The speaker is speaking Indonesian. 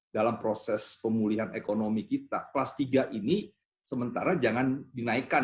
dalam proses pemulihan ekonomi kita kelas tiga ini sementara jangan dinaikkan